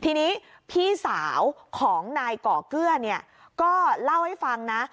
ทีนี้พี่สาวของนายก่อเกื้อเนี่ยก็เล่าให้ฟังนะ